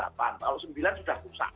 kalau sembilan sudah rusak